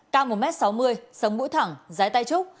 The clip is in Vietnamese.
cao một m sáu mươi sống mũi thẳng dưới tay trúc